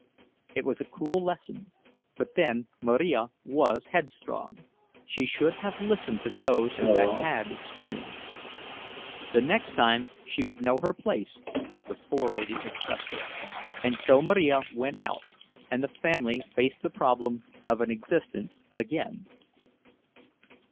It was a cruel lesson; but then Marija was headstrong—she should have listened to those who had had experience. The next time she would know her place, as the forelady expressed it; and so Marija went out, and the family faced the problem of an existence again.